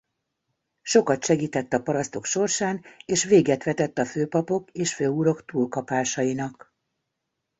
Sokat segített a parasztok sorsán és véget vetett a főpapok és főurak túlkapásainak.